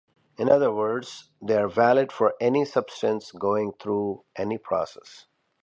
In other words, they are valid for any substance going through any process.